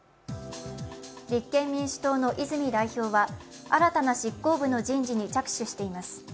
立憲民主党の泉代表は、新たな執行部の人事に着手しています。